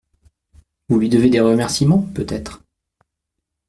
Vous lui devez des remerciements, peut-être.